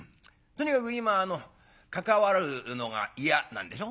とにかく今あの関わるのが嫌なんでしょ？」。